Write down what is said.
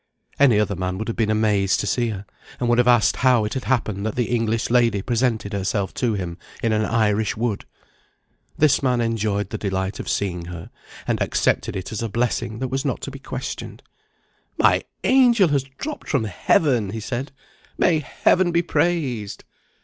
Any other man would have been amazed to see her, and would have asked how it had happened that the English lady presented herself to him in an Irish wood. This man enjoyed the delight of seeing her, and accepted it as a blessing that was not to be questioned. "My angel has dropped from Heaven," he said. "May Heaven be praised!"